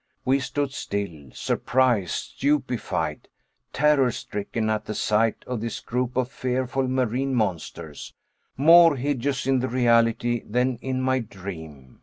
We stood still surprised, stupefied, terror stricken at the sight of this group of fearful marine monsters, more hideous in the reality than in my dream.